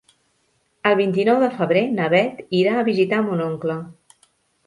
El vint-i-nou de febrer na Beth irà a visitar mon oncle.